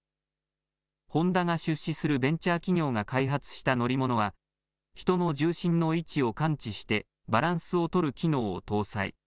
ホンダが出資するベンチャー企業が開発した乗り物は、人の重心の位置を感知して、バランスを取る機能を搭載。